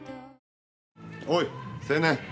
おい青年。